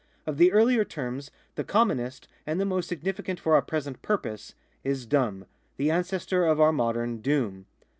Of the earlier terms the commonest, and the most significant for our present purpose, is dom, the ancestor of our modern doom.